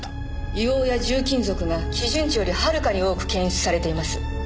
硫黄や重金属が基準値よりはるかに多く検出されています。